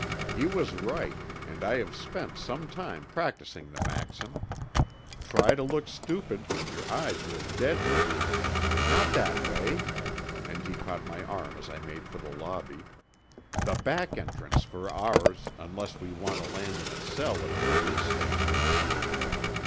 He was right and I have spent some time practising the maxim. Try to look stupid and your eyes will deaden. Not that way," and he caught my arm as I made for the lobby. "The back entrance for ours unless we want to land in a cell at the police station."